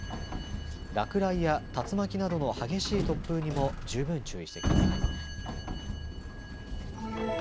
落雷や竜巻などの激しい突風にも十分注意してください。